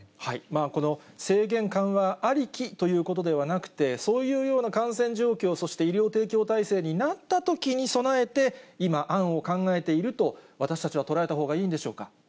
この制限緩和ありきということではなくて、そういうような感染状況、そして医療提供体制になったときに備えて、今、案を考えていると私たちは捉えたほうがいいんでしょうか。